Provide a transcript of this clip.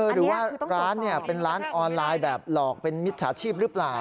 หรือว่าร้านเป็นร้านออนไลน์แบบหลอกเป็นมิจฉาชีพหรือเปล่า